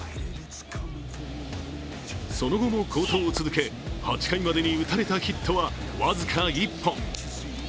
その後も好投を続け、８回までに打たれたヒットは僅か１本。